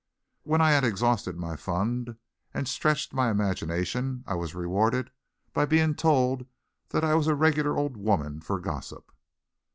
When I had exhausted my fund and stretched my imagination I was rewarded by being told that I was a regular old woman for gossip.